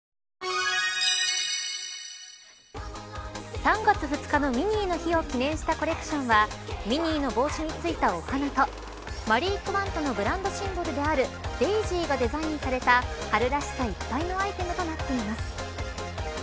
３月２日のミニーの日を記念したコレクションはミニーの帽子に付いたお花とマリー・クヮントのブランドシンボルであるデイジーがデザインされた春らしさいっぱいのアイテムとなっています。